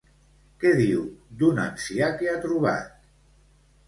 Què diu d'un ancià que ha trobat?